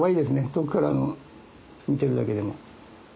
遠くから見てるだけでも。